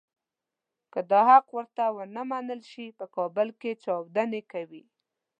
که دا حق ورته ونه منل شي په کابل کې چاودنې کوي.